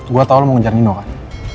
gue tau lo mau ngejar nino kan